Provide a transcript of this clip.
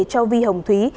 cho vi hồng thúy